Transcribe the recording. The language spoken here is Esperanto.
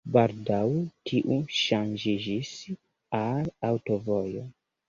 Baldaŭ tiu ŝanĝiĝis al aŭtovojo.